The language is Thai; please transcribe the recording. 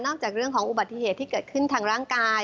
จากเรื่องของอุบัติเหตุที่เกิดขึ้นทางร่างกาย